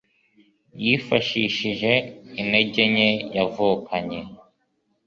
yifashishije intege nke yavukanye,